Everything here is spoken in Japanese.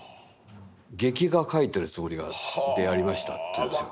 劇画描いてるつもりでやりました」って言うんですよ。